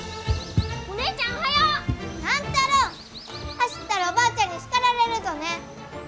走ったらおばあちゃんに叱られるぞね！